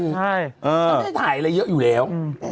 ต้องให้ถ่ายอะไรเยอะอยู่แล้ว